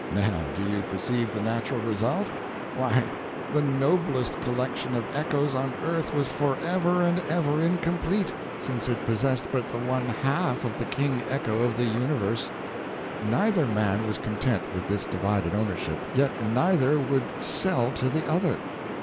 Now, do you perceive the natural result? Why, the noblest collection of echoes on earth was forever and ever incomplete, since it possessed but the one half of the king echo of the universe. Neither man was content with this divided ownership, yet neither would sell to the other.